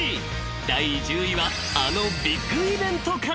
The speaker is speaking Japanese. ［第１０位はあのビッグイベントから］